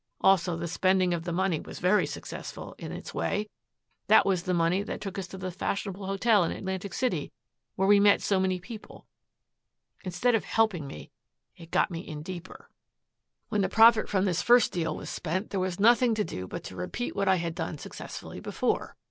Also the spending of the money was very successful, in its way. That was the money that took us to the fashionable hotel in Atlantic City where we met so many people. Instead of helping me, it got me in deeper. "When the profit from this first deal was spent there was nothing to do but to repeat what I had done successfully before.